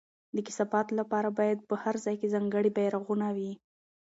د کثافاتو لپاره باید په هر ځای کې ځانګړي بېرغونه وي.